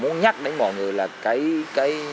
muốn nhắc đến mọi người là cái